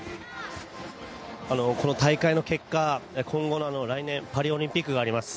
この大会の結果今後の来年パリオリンピックがあります。